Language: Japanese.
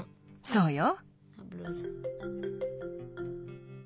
そうよ。